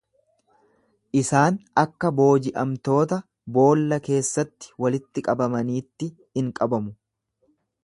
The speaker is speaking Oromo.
Isaan akka booji'amtoota boolla keessatti walitti qabamaniitti in qabamu.